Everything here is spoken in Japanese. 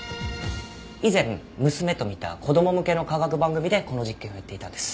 以前娘と見た子供向けの科学番組でこの実験をやっていたんです。